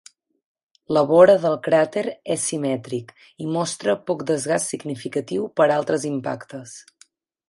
La vora del cràter és simètric i mostra poc desgast significatiu per altres impactes.